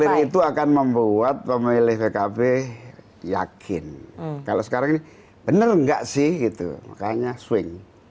declare itu akan membuat pemilih pkb yakin kalau sekarang ini benar nggak sih makanya swing